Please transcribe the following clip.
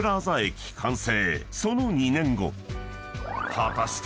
［果たして］